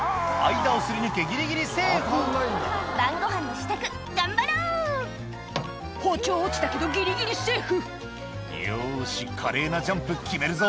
間を擦り抜けギリギリセーフ「晩ごはんの支度頑張ろう」包丁落ちたけどギリギリセーフ「よし華麗なジャンプ決めるぞ」